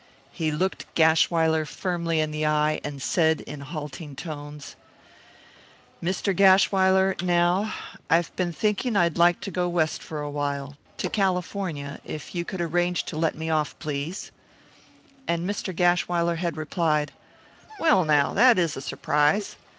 He looked Gashwiler firmly in the eye and said in halting tones, "Mr. Gashwiler, now, I've been thinking I'd like to go West for a while to California, if you could arrange to let me off, please." And Mr. Gashwiler had replied, "Well, now, that is a surprise.